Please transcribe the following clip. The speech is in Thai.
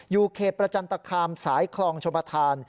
อยู่เขตประจันตคามสายคลองชมธาน